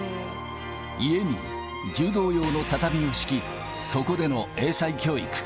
家に柔道用の畳を敷き、そこでの英才教育。